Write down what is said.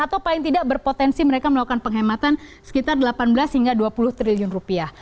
atau paling tidak berpotensi mereka melakukan penghematan sekitar delapan belas hingga dua puluh triliun rupiah